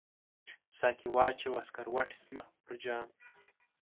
ساقي واچوه سکروټي زما په جام کې